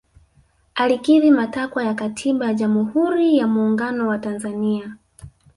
alikidhi matakwa ya katiba ya jamuhuri ya muungano wa tanzania